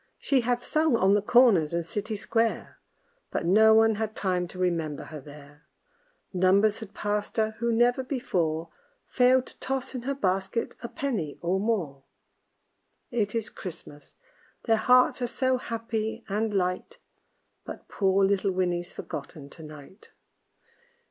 She had sung on the corners and city square, But no one had time to remember her there; Numbers had passed her who never before Failed to toss in her basket a penny or more. It is Christmas; their hearts are so happy and light But poor little Winnie's forgotten to night.